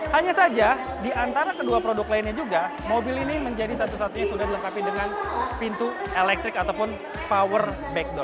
hanya saja di antara kedua produk lainnya juga mobil ini menjadi satu satunya sudah dilengkapi dengan pintu elektrik ataupun power backdow